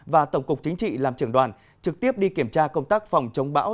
và tổng cục chính trị làm trưởng đoàn trực tiếp đi kiểm tra công tác phòng chống bão